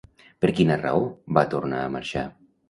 Per quina raó va tornar a marxar?